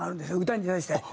歌に対して。